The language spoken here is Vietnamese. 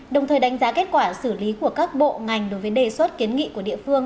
đồng thời đánh giá kết quả xử lý của các bộ ngành đối với đề xuất kiến nghị của địa phương